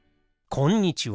こんにちは。